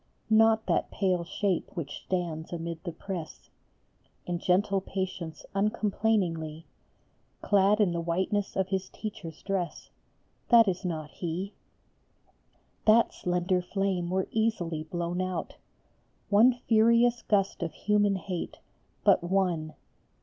Not that pale shape which stands amid the press, In gentle patience uncomplainingly, Clad in the whiteness of his Teacher s dress That is not he ! 156 CHRIST BEFORE PILATE. That slender flame were easily blown out ; One furious gust of human hate, but one